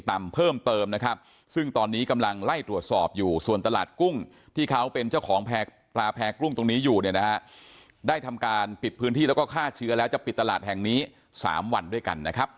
ได้ทำการปิดพื้นที่แล้วก็ฆ่าเชื้อแล้วจะปิดตลาดแห่งนี้๓วันด้วยกันนะครับ